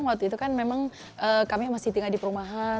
waktu itu kan memang kami masih tinggal di perumahan